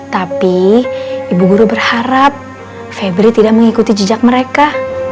tapi ibu guru berharap febri tidak mengikuti jejak mereka